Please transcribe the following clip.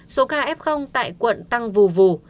số ca f tại quận tăng vù vù